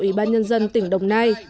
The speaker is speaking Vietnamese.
ủy ban nhân dân tỉnh đồng nai